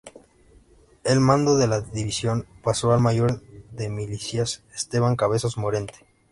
El mando de la división pasó al mayor de milicias Esteban Cabezos Morente.